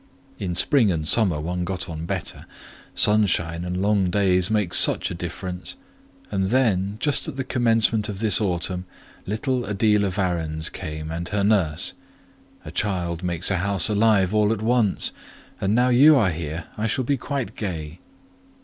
In spring and summer one got on better: sunshine and long days make such a difference; and then, just at the commencement of this autumn, little Adela Varens came and her nurse: a child makes a house alive all at once; and now you are here I shall be quite gay."